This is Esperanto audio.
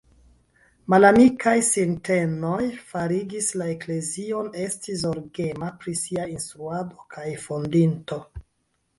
Malamikaj sintenoj farigis la eklezion esti zorgema pri sia instruado kaj fondinto.